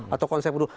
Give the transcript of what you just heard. atau konsep kedua